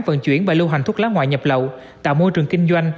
vận chuyển và lưu hành thuốc lá ngoại nhập lậu tạo môi trường kinh doanh